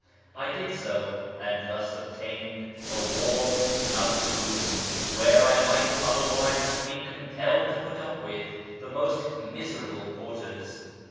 1 did so, and thus obtained a warm, snug room, where I might otherwise have been compelled to put up with the most miserable quarters.